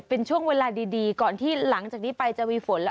เป็นช่วงเวลาดีก่อนที่หลังจากนี้ไปจะมีฝนแล้ว